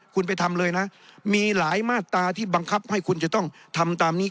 คุณไปทำเลยนะมีหลายมาตราที่บังคับให้คุณจะต้องทำตามนี้